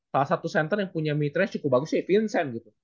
salah satu center yang punya mid range cukup bagus ya vincent gitu